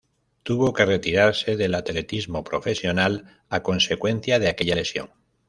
Tuvo que retirarse del atletismo profesional, a consecuencia de aquella lesión.